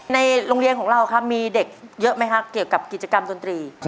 ในโรงเรียนของเราครับมีเด็กเยอะไหมครับเกี่ยวกับกิจกรรมดนตรี